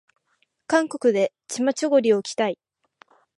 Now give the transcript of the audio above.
韓国でチマチョゴリを着たい